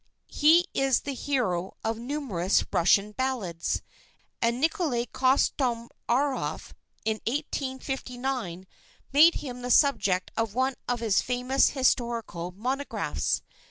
He is the hero of numerous Russian ballads, and Nikolai Kostomaroff, in 1859, made him the subject of one of his famous historical monographs.